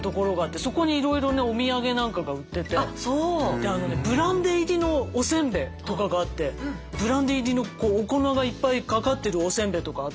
であのねブランデー入りのお煎餅とかがあってブランデー入りのお粉がいっぱいかかってるお煎餅とかあって。